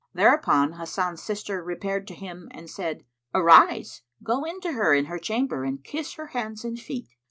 Thereupon Hasan's sister repaired to him, and said, "Arise, go in to her in her chamber and kiss her hands and feet."